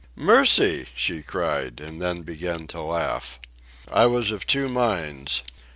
"Mercy!" she cried; and then began to laugh. I was of two minds.